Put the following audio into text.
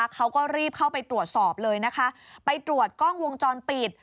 เขาก็รีบเข้าไปตรวจสอบเลยนะคะไปตรวจกล้องวงจรปิด